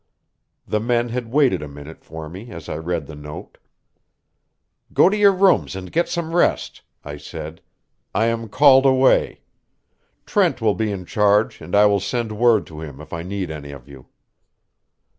The men had waited a minute for me as I read the note. "Go to your rooms and get some rest," I said. "I am called away. Trent will be in charge, and I will send word to him if I need any of you."